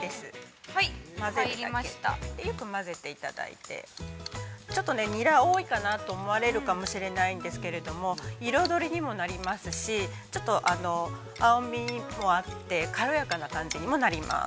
よく混ぜていただいてちょっと、ニラ多いかなと思われるかもしれないんですけれども彩りにもなりますし、ちょっと青みもあって軽やかな感じにもなります。